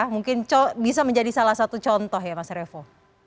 mungkin bisa menjadi salah satu contoh ya mas revo